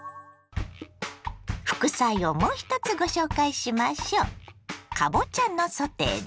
副菜をもう１つご紹介しましょう。